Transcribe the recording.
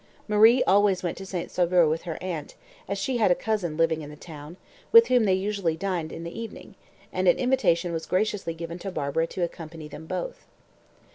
Marie always went to St. Sauveur with her aunt, as she had a cousin living in the town, with whom they usually dined in the evening; and an invitation was graciously given to Barbara to accompany them both.